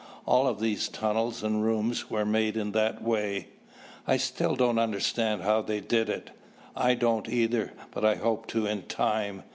All of these tunnels and rooms were made in that way." "I still don't understand how they did it." "I don't either, but I hope to in time.